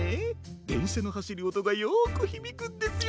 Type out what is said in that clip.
でんしゃのはしるおとがよくひびくんですよ